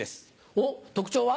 おっ特徴は？